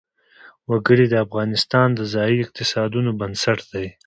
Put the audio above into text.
وګړي د افغانستان د ځایي اقتصادونو بنسټ دی.